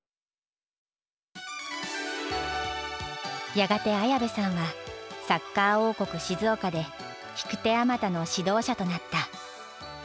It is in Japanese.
やがて綾部さんはサッカー王国静岡で引く手あまたの指導者となった。